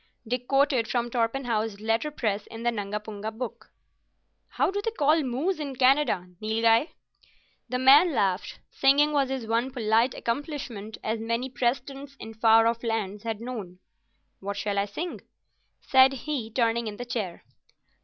Dick quoted from Torpenhow's letterpress in the Nungapunga Book. "How do they call moose in Canada, Nilghai?" The man laughed. Singing was his one polite accomplishment, as many Press tents in far off lands had known. "What shall I sing?" said he, turning in the chair.